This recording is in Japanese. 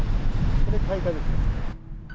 これ開花です。